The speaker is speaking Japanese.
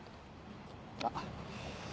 あっ。